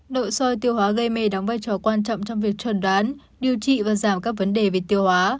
nội soi tiêu hóa gây mê đóng vai trò quan trọng trong việc chuẩn đoán điều trị và giảm các vấn đề về tiêu hóa